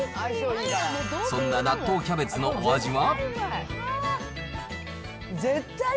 そんな納豆キャベツのお味は？